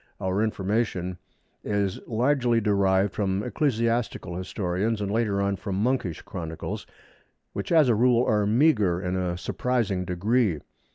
Our information is largely derived from ecclesiastical historians and, later on, from monkish chronicles, which as a rule are meagre in a surprising degree.